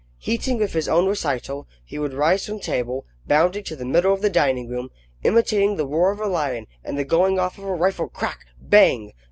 Heating with his own recital, he would rise from table, bounding to the middle of the dining room, imitating the roar of a lion and the going off of a rifle crack! bang!